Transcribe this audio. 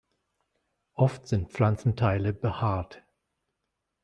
Oft sind Pflanzenteile behaart.